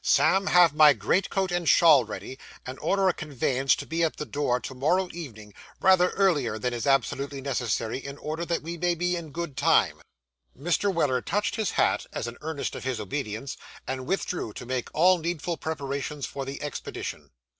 'Sam, have my greatcoat and shawl ready, and order a conveyance to be at the door to morrow evening, rather earlier than is absolutely necessary, in order that we may be in good time.' Mr. Weller touched his hat, as an earnest of his obedience, and withdrew to make all needful preparations for the expedition.